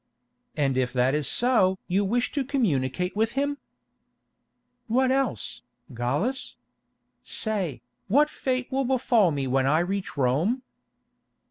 "And if that is so you wish to communicate with him?" "What else, Gallus? Say, what fate will befall me when I reach Rome?"